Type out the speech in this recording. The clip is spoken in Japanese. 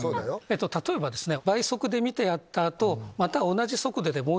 例えばですね。